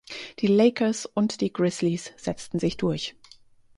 Die Lakers und die Grizzlies setzten sich durch.